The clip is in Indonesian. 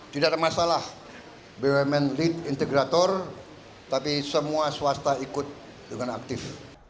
tidak ada masalah bumn lead integrator tapi semua swasta ikut dengan aktif